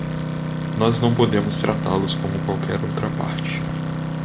Nós não podemos tratá-los como qualquer outra parte.